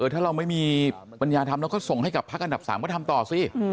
ถ้าเราไม่มีปัญญาทำเราก็ส่งให้กับพักอันดับ๓ก็ทำต่อสิ